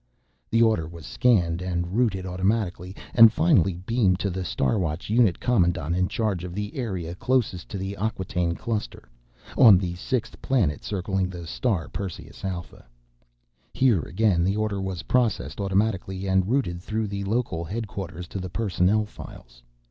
The order was scanned and routed automatically and finally beamed to the Star Watch unit commandant in charge of the area closest to the Acquataine Cluster, on the sixth planet circling the star Perseus Alpha. Here again, the order was processed automatically and routed through the local headquarters to the personnel files.